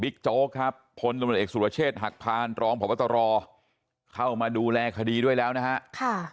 บิ๊กโจ๊กครับผลดำเนินเอกสุรเชษหักพานรองผอบตรเข้ามาดูแลคดีด้วยแล้วนะฮะ